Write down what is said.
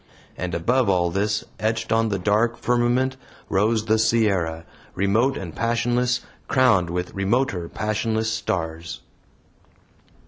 And above all this, etched on the dark firmament, rose the Sierra, remote and passionless, crowned with remoter passionless stars.